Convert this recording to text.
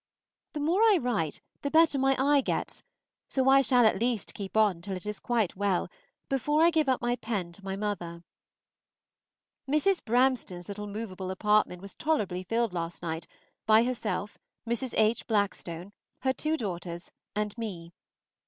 The more I write, the better my eye gets; so I shall at least keep on till it is quite well, before I give up my pen to my mother. Mrs. Bramston's little movable apartment was tolerably filled last night by herself, Mrs. H. Blackstone, her two daughters, and me.